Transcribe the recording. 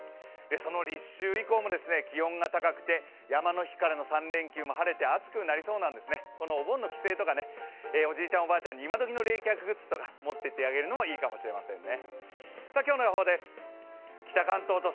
その立秋以降も気温が高くて山の日からの３連休も暑くなりそうでこのお盆の帰省とかおじいちゃんおばあちゃんに今どきの冷却グッズとか、持っていってあげるのもいいかもしれませんね。